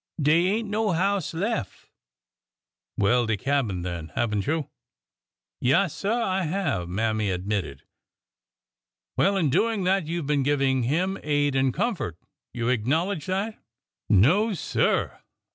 Dey ain't no house lef Well, the cabin, then. Have n't you? "'' Yaassir, I have," Mammy admitted. Well, in doing that you have been giving him aid and comfort. You acknowledge that? " No, sir!